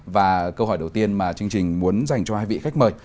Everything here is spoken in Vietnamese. và câu hỏi đầu tiên mà chương trình muốn dành cho hai vị khách mời